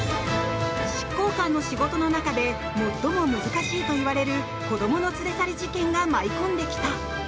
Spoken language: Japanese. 執行官の仕事の中で最も難しいといわれる子どもの連れ去り事件が舞い込んできた。